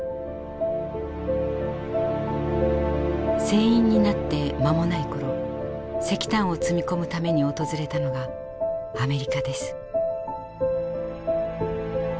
船員になって間もない頃石炭を積み込むために訪れたのがアメリカです。